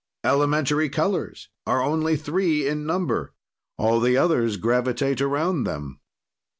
"Elementary colors are only three in number. "All the others gravitate around them.